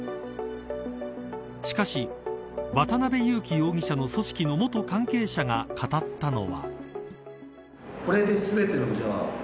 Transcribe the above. しかし渡辺優樹容疑者の組織の元関係者が語ったのは。